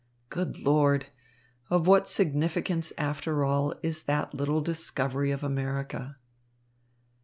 Good Lord! Of what significance after all, is that little discovery of America?"